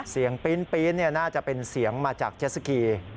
ปีนน่าจะเป็นเสียงมาจากเจสสกี